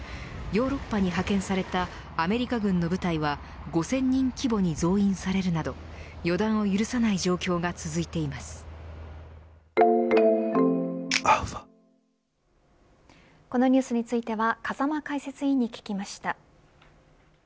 ヨーロッパに派遣されたアメリカ軍の部隊は５０００人規模に増員されるなど予断を許さない状況がこのニュースについては風間解説委員に聞きました。